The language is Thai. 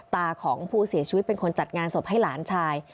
ตาของผู้เสียชีวิตเป็นคนจัดงานศพให้หลานชาย